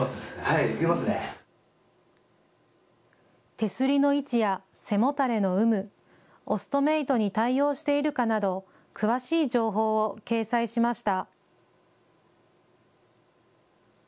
手すりの位置や背もたれの有無、オストメイトに対応しているかなど詳しい情報を掲載しました。